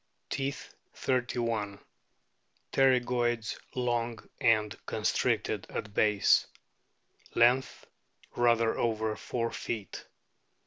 Teeth, 3 1 . Pterygoids long and constricted at base. Length, rather over four feet.